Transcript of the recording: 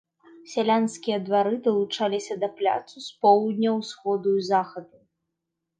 Сялянскія двары далучаліся да пляцу з поўдня, усходу і захаду.